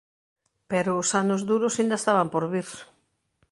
Pero os anos duros inda estaban por vir.